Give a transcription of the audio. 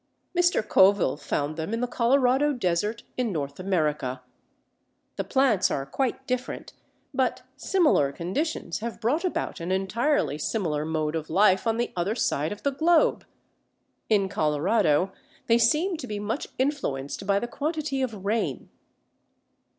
Mr. Coville found them in the Colorado desert in North America. The plants are quite different, but similar conditions have brought about an entirely similar mode of life on the other side of the globe! In Colorado they seem to be much influenced by the quantity of rain.